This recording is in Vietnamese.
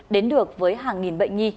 đến được với hàng nghìn bệnh nhi